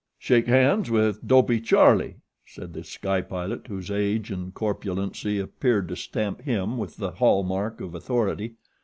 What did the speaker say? "Shake hands with Dopey Charlie," said The Sky Pilot, whose age and corpulency appeared to stamp him with the hall mark of authority.